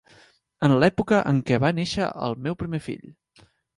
En l'època en què va néixer el meu primer fill.